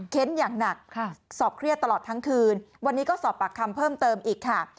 อย่างหนักสอบเครียดตลอดทั้งคืนวันนี้ก็สอบปากคำเพิ่มเติมอีกค่ะ